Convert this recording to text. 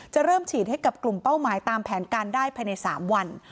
เริ่มฉีดให้กับกลุ่มเป้าหมายตามแผนการได้ภายใน๓วัน